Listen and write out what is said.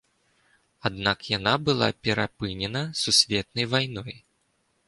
Аднак яна была перапынена сусветнай вайной.